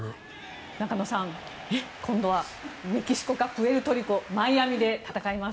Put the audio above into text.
中野さん、今度はメキシコかプエルトリコマイアミで戦います。